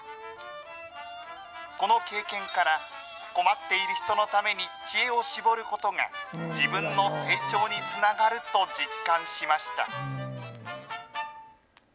この経験から、困っている人のために知恵を絞ることが、自分の成長につながると実感しました。